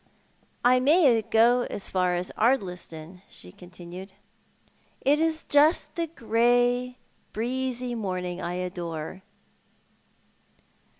"I may go as far as Ardliston," she continued. '"It is just the grey, breezy morning I adore."